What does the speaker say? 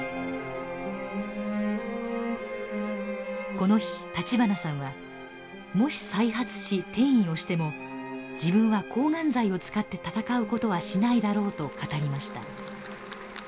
この日立花さんはもし再発し転移をしても自分は抗がん剤を使って闘うことはしないだろうと語りました。